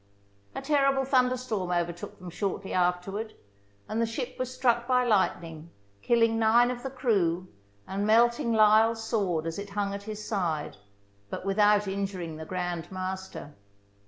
THE BOOK OF FAMOUS SIEGES A terrible thunderstorm overtook them shortly af terward, and the ship was struck by lightning, kill ing nine of the crew and melting L'Isle's sword as it hung at his side, but without injuring the Grand Master.